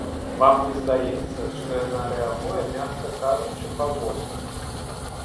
Вам не здаецца, што яна рэагуе, мякка кажучы, павольна?